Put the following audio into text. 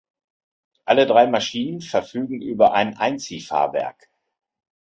Alle drei Maschinen verfügen über ein Einziehfahrwerk.